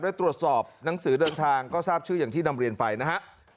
ตรวจสอบหนังสือเดินทางก็ทราบชื่ออย่างที่นำเรียนไปนะฮะ